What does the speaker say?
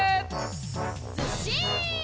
ずっしん！